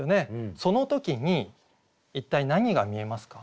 その時に一体何が見えますか？